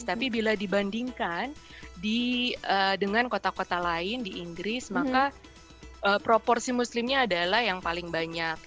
tapi bila dibandingkan dengan kota kota lain di inggris maka proporsi muslimnya adalah yang paling banyak